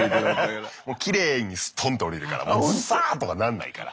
もうきれいにストンと降りるからもうズサーとかなんないから。